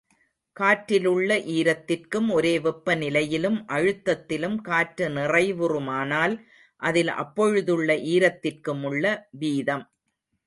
காற்றிலுள்ள ஈரத்திற்கும், ஒரே வெப்பநிலையிலும் அழுத்தத்திலும் காற்று நிறைவுறுமானால் அதில் அப்பொழுதுள்ள ஈரத்திற்குமுள்ள வீதம்.